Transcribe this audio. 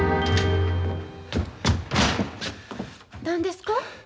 何ですか？